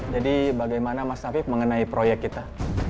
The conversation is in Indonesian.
jadi bagaimana mas tafiq mengenai proyek kita